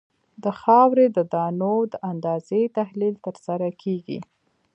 د خاورې د دانو د اندازې تحلیل ترسره کیږي